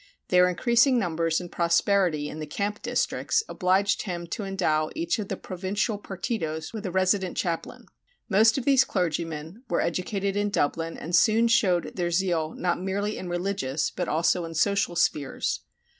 Their increasing numbers and prosperity in the camp districts obliged him to endow each of the provincial partidos was a resident chaplain. Most of these clergymen were educated in Dublin, and soon showed their zeal not merely in religious, but also in social spheres.